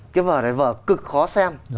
cái vở này vở cực khó xem